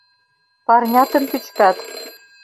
— Парнятым пӱчкат...